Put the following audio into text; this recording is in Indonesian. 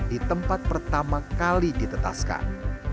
di tempat pertama kali ditetaskan